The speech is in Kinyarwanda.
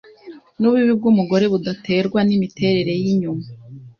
n’ububi bw’umugore budaterwa n’imiterere y’inyuma